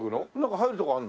入るとこあるの？